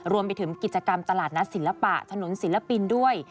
รวมไปถึงกิจกรรมตลาดนัดศิลปะถนนศิลปินด้วย